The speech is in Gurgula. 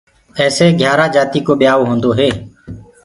ايسي گھيآرآ جآتيٚ ڪو ٻيآئو هوندو هي۔